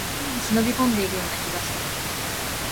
人の家に忍び込んでいるような気がしたから